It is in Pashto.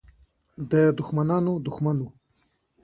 د دښمنانو دښمن وو.